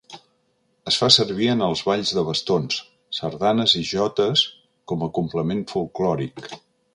Es fa servir en els balls de bastons, sardanes i jotes com a complement folklòric.